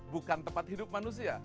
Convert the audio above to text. bukan tempat hidup manusia